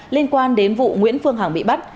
liên quan đến vụ nguyễn phương hằng bị bắt